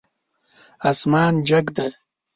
اسمان جګ ده